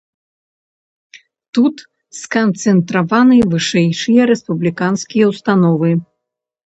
Тут сканцэнтраваны вышэйшыя рэспубліканскія ўстановы.